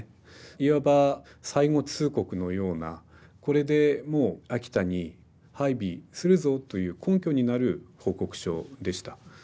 いわば最後通告のような「これでもう秋田に配備するぞ」という根拠になる報告書でした。